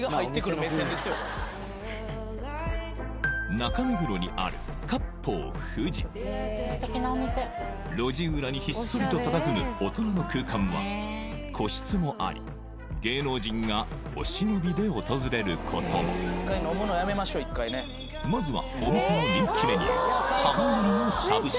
中目黒にある路地裏にひっそりとたたずむ大人の空間は個室もあり芸能人がお忍びで訪れることもまずはお店の人気メニュー